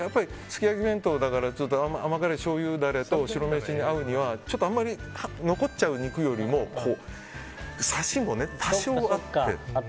すき焼き弁当だから甘辛しょうゆダレと白飯に合うにはあんまり残っちゃう肉よりもサシも多少あって。